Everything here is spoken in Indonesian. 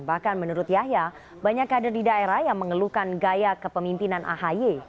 bahkan menurut yahya banyak kader di daerah yang mengeluhkan gaya kepemimpinan ahy